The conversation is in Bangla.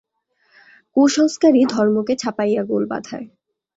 কুসংস্কারই ধর্মকে ছাপাইয়া গোল বাধায়।